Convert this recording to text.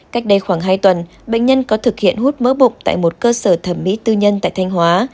cách đây khoảng hai tuần bệnh nhân có thực hiện hút mỡ bụng tại một cơ sở thẩm mỹ tư nhân tại thanh hóa